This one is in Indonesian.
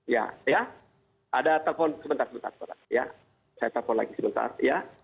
ya ya ada telepon sebentar sebentar ya saya telepon lagi sebentar ya